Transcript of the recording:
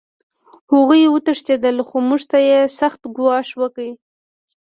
هغوی وتښتېدل خو موږ ته یې سخت ګواښ وکړ